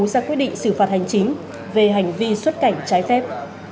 ra quyết định xử phạt hành chính về hành vi xuất cảnh trái phép